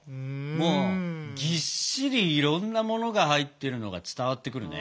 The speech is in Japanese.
もうぎっしりいろんなものが入ってるのが伝わってくるね。